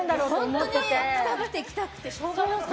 本当に、来たくて来たくてしょうがなかった。